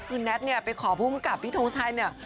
คือนัทเนี่ยไปขอผู้กำกับพี่โท้งชัยเนี่ย